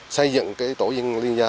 xây dựng tổ liên gia